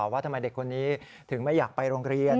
ว่าทำไมเด็กคนนี้ถึงไม่อยากไปโรงเรียน